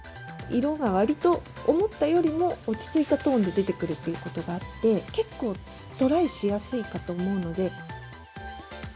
色がわりと、思ったよりも落ち着いたトーンで出てくるということがあって、結構、トライしやすいかと思うので。